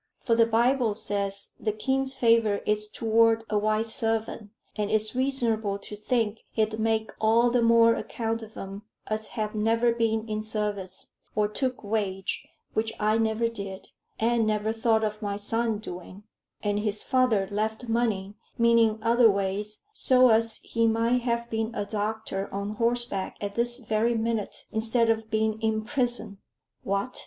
For the Bible says the king's favor is toward a wise servant; and it's reasonable to think he'd make all the more account of them as have never been in service, or took wage, which I never did, and never thought of my son doing; and his father left money, meaning otherways, so as he might have been a doctor on horseback at this very minute, instead of being in prison." "What!